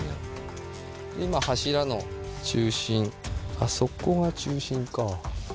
あっそこが中心か。